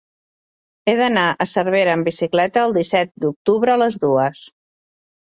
He d'anar a Cervera amb bicicleta el disset d'octubre a les dues.